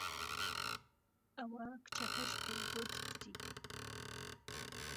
ئەوه کچهکهش پێیگوتکوتی